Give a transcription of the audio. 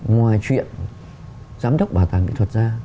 ngoài chuyện giám đốc bảo tàng nghệ thuật ra